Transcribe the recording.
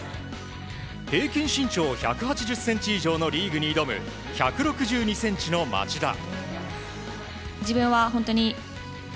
平均身長１８０ｃｍ以上のリーグに挑む１６２ｃｍの町田。